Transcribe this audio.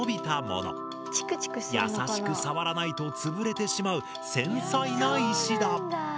優しく触らないと潰れてしまう繊細な石だ。